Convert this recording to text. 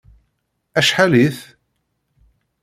Acḥal-it?